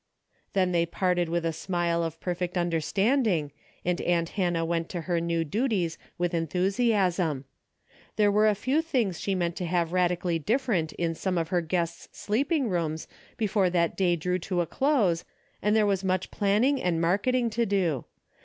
Then they parted with a smile of perfect understanding, and aunt Hannah went to her new duties with enthusiasm. There were a few things she meant to have radically differ ent in some of her guests' sleeping rooms be fore that day drew to a close, and there was much planning and marketing to do.